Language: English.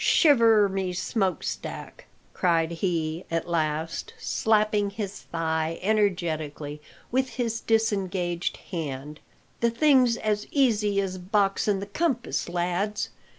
"Shiver my smokestack!" cried he at last, slapping his thigh energetically with his disengaged hand, "the thing's as easy as boxin' the compass, lads!